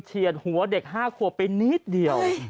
เฉียนหัวเด็กห้าขวบไปนิดเดียว